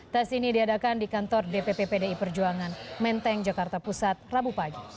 tes ini diadakan di kantor dpp pdi perjuangan menteng jakarta pusat rabu pagi